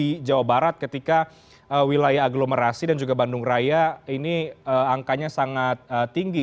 mungkin terjadi pak wagup di jawa barat ketika wilayah agglomerasi dan juga bandung raya ini angkanya sangat tinggi